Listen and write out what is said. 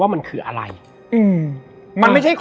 และวันนี้แขกรับเชิญที่จะมาเชิญที่เรา